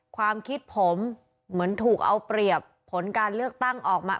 ความคิดผมเหมือนถูกเอาเปรียบผลการเลือกตั้งออกมา